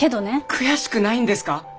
悔しくないんですか？